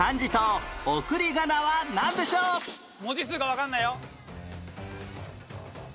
文字数がわかんないよ。